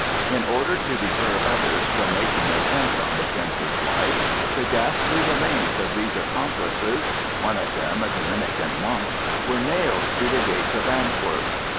In order to deter others from making attempts on the Prince's life, the ghastly remains of these accomplices, one of them a Dominican monk, were nailed to the gates of Antwerp.